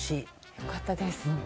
よかったです。